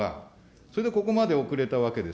それでここまで遅れたわけです。